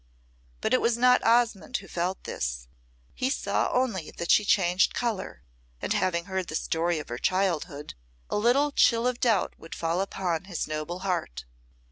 But it was not Osmonde who felt this, he saw only that she changed colour, and having heard the story of her girlhood, a little chill of doubt would fall upon his noble heart.